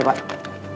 terima kasih pak